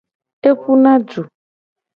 Epuna du.